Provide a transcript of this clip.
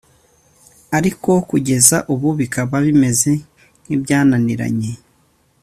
ariko kugeza ubu bikaba bimeze nk’ibyananiranye